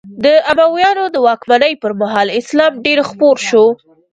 د امویانو د واکمنۍ پر مهال اسلام ډېر خپور شو.